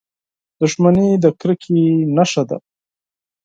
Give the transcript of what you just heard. • دښمني د کرکې نښه ده.